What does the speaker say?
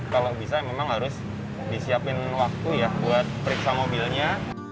kalau bisa memang harus disiapin waktu ya buat periksa mobilnya